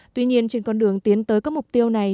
tuy nhiên trên con đường tiến tới các mục tiêu này